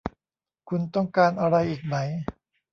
คุณต้องการอะไรอีกไหม